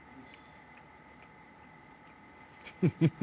フフフフ。